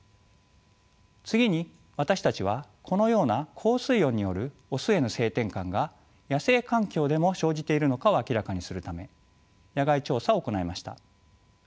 次に私たちはこのような高水温によるオスへの性転換が野生環境でも生じているのかを明らかにするため野外調査を行いました。